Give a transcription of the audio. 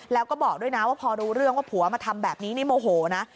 แล้วก็บอกด้วยนะว่าพอรู้เรื่องว่าผัวมาทำแบบนี้นี่โมโหนะ